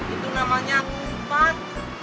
itu namanya umpat